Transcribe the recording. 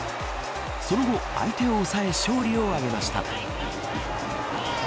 その後、相手を抑え勝利を挙げました。